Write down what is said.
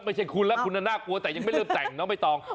ไม่ใช่คุณแล้วคุณน่ากลัวแต่ยังไม่เริ่มแต่งน้องใบตอง